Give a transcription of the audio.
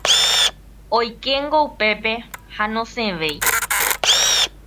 Oikéngo upépe ha nosẽvéi.